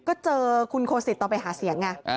ก็เจอคุณโคสิตตอนไปหาเสียงไง